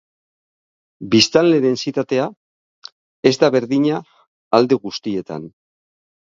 Biztanle-dentsitatea ez da berdina alde guztietan.